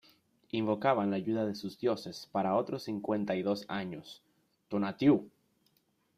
Invocaban la ayuda de sus Dioses para otros cincuenta y dos años: ¡Tonatiuh!